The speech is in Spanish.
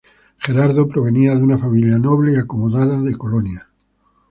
Gerardo provenía de una familia noble y acomodada de Colonia.